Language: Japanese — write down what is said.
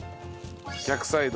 逆サイド。